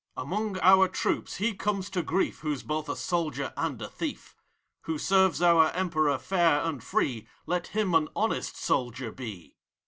GUABDSHEK. Among our troops he comes to grief Who's both a soldier and a thief : Who serves our Emperor fair and free, Let him an honest soldier be